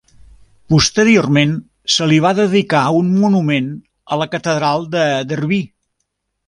Posteriorment se li va dedicar un monument a la Catedral de Derby.